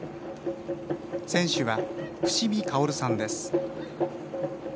船主は伏見薫さんです。